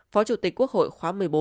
phó chủ tịch quốc hội khóa một mươi bốn